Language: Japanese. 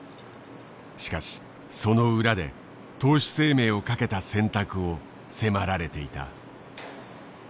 しかしその裏で投手生命をかけた選択を迫られていた。